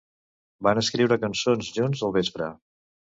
Van escriure cançons junts al vespre.